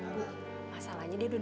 bu masalahnya dia udah nunggu